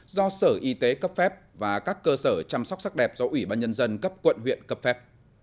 do sở y tế cấp phép và các cơ sở chăm sóc sắc đẹp do ủy ban nhân dân cấp quận huyện cấp phép